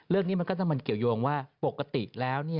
เรื่องนี้มันก็จะมันเกี่ยวยวงว่าปกติแล้ว